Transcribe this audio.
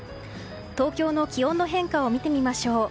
東京の気温の変化を見てみましょう。